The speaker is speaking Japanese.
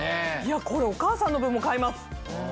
これお母さんの分も買います。